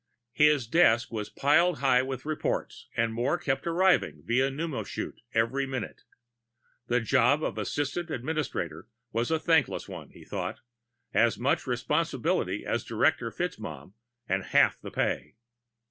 His desk was piled high with reports, and more kept arriving via pneumochute every minute. The job of assistant administrator was a thankless one, he thought; as much responsibility as Director FitzMaugham, and half the pay.